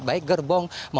baik gerbong kereta